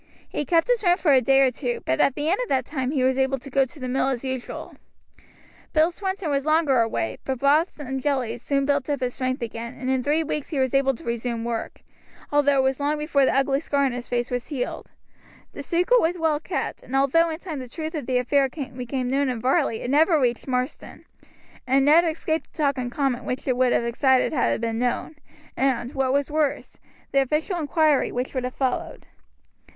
He kept his room for a day or two; but at the end of that time he was able to go to the mill as usual. Bill Swinton was longer away, but broths and jellies soon built up his strength again, and in three weeks he was able to resume work, although it was long before the ugly scar on his face was healed. The secret was well kept, and although in time the truth of the affair became known in Varley it never reached Marsden, and Ned escaped the talk and comment which it would have excited had it been known, and, what was worse, the official inquiry which would have followed.